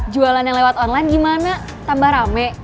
jualan yang lewat online gimana tambah rame